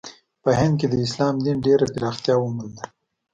په هند کې د اسلام دین ډېره پراختیا ومونده.